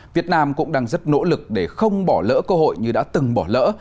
việt nam cũng đang rất nỗ lực để không bỏ lỡ cơ hội như đã từng bỏ lỡ